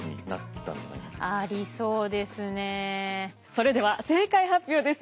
それでは正解発表です。